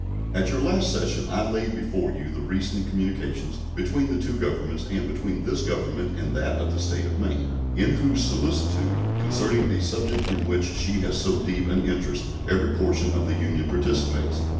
At your last session I laid before you the recent communications between the two Governments and between this Government and that of the State of Maine, in whose solicitude concerning a subject in which she has so deep an interest every portion of the Union participates.